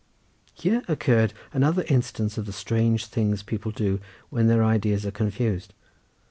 Here occurred another instance of the strange things people do when their ideas are confused.